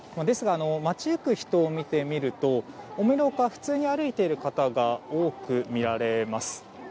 ですが、街行く人を見てみると思いの外、普通に歩いている方が多く見られます。